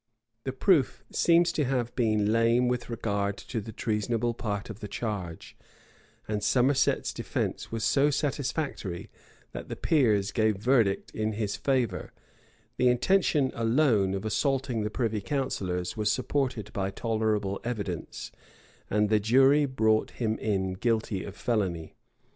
The proof seems to have been lame with regard to the treasonable part of the charge; and Somerset's defence was so satisfactory, that the peers gave verdict in his favor: the intention alone of assaulting the privy counsellors was supported by tolerable evidence; and the jury brought him in guilty of felony.